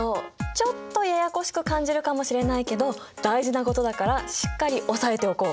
ちょっとややこしく感じるかもしれないけど大事なことだからしっかり押さえておこう。